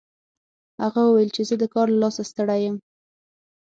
هغه وویل چې زه د کار له لاسه ستړی یم